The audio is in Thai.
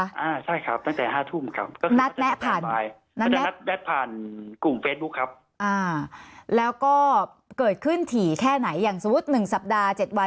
อ่าใช่ครับตั้งแต่ห้าทุ่มครับ